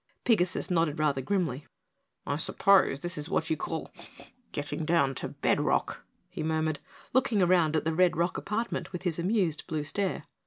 Pigasus nodded rather grimly. "I suppose this is what you call getting down to bed rock," he murmured, looking around the red rock apartment with his amused blue stare.